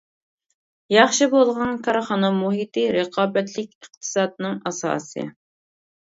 ياخشى بولغان كارخانا مۇھىتى رىقابەتلىك ئىقتىسادنىڭ ئاساسى.